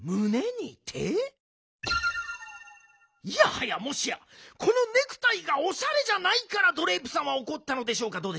いやはやもしやこのネクタイがおしゃれじゃないからドレープさんはおこったのでしょうか？